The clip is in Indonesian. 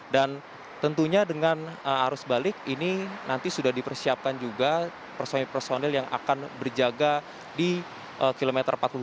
tentunya dengan arus balik ini nanti sudah dipersiapkan juga personil personil yang akan berjaga di kilometer empat puluh lima